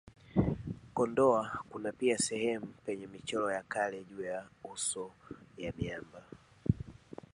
Kondoa kuna pia sehemu penye michoro ya kale juu ya uso ya miamba